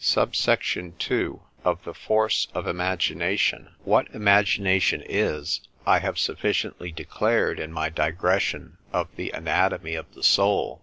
SUBSECT. II.—Of the Force of Imagination. What imagination is, I have sufficiently declared in my digression of the anatomy of the soul.